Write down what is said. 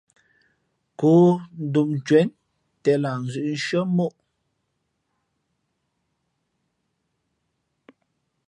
Kǒ ndom ncwěn ntén lah nzʉ̄ʼ shʉ́ά móʼ.